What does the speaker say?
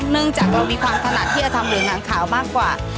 เนื่องจากเรามีความถนัดที่จะทำเหรียญหางขาวมากกว่า